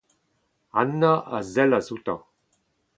Anna a sellas outañ.